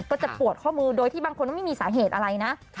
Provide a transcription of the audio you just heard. ก็จะปวดข้อมือโดยที่บางคนไม่มีสาเหตุอะไรนะ